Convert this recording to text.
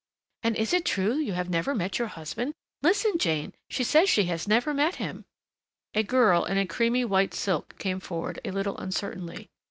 "And is it true you have never met your husband? Listen, Jane she says she has never met him " A girl in a creamy white silk came forward a little uncertainly.